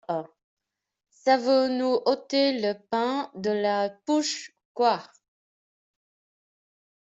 Ça veut nous ôter le pain de la bouche, quoi!